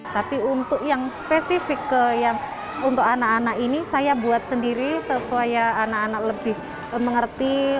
tapi untuk yang spesifik untuk anak anak ini saya buat sendiri supaya anak anak lebih mengerti